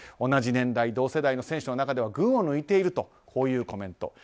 同じ年代、同世代の選手の中では群を抜いているというコメント。